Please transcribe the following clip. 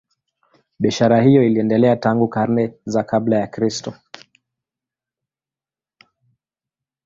Biashara hiyo iliendelea tangu karne za kabla ya Kristo.